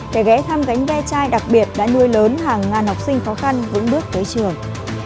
để ghé thăm gánh ve chai đặc biệt đã nuôi lớn hàng ngàn học sinh khó khăn vững bước tới trường